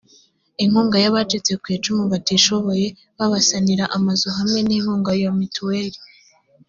inkunga y abacitse ku icumu batishoboye babasanira amazu hamwe n inkunga ya mutuweli